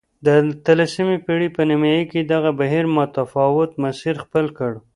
د اتلسمې پېړۍ په نیمايي کې دغه بهیر متفاوت مسیر خپل کړ.